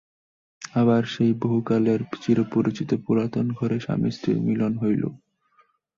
আবার সেই বহুকালের চিরপরিচিত পুরাতন ঘরে স্বামীস্ত্রীর মিলন হইল।